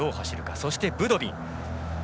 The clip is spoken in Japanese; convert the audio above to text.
そしてブドビン。